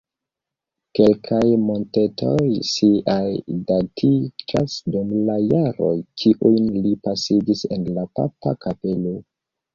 Kelkaj motetoj siaj datiĝas dum la jaroj, kiujn li pasigis en la papa kapelo.